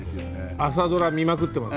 朝ドラ見まくってます